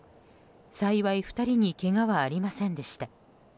幸い、２人にけがはありませんでした。